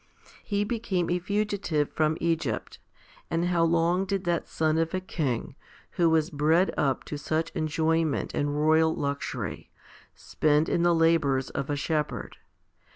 2 He became a fugitive from Egypt ; and how long did that son of a king, who was bred up to such enjoyment and royal luxury, spend in the labours of a shepherd!